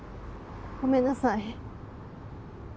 ごめんなさい。